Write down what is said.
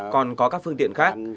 còn có các phương tiện khác